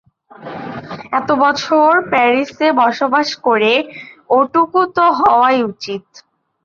এত বছর প্যারিসে বসবাস করে ওটুকু তো হওয়াই উচিত।